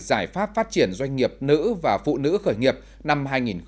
giải pháp phát triển doanh nghiệp nữ và phụ nữ khởi nghiệp năm hai nghìn một mươi chín